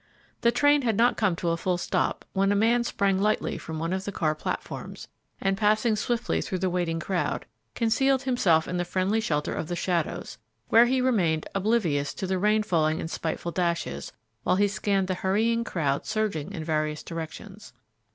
The train had not come to a full stop when a man sprang lightly from one of the car platforms, and, passing swiftly through the waiting crowd, concealed himself in the friendly shelter of the shadows, where he remained oblivious to the rain falling in spiteful dashes, while he scanned the hurrying crowd surging in various directions.